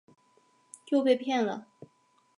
又被骗了